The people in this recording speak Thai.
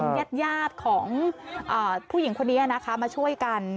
ญาติยาดของผู้หญิงคนนี้นะคะมาช่วยกัน